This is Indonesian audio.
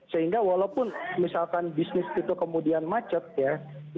sehingga walaupun misalkan bisnis itu kemudian macet ya